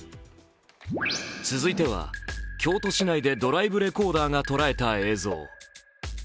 続いては京都市内でドライブレコーダーが捉えた映像。